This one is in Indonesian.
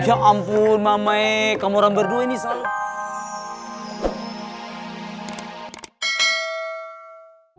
ya ampun mamaik kamu orang berdua ini salah